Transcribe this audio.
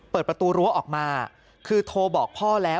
เปิดประตูรั้วออกมาคือโทรบอกพ่อแล้ว